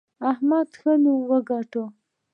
احمد ښه نوم وګاټه.